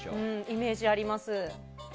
イメージあります。